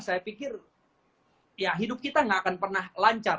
saya pikir hidup kita tidak akan pernah lancar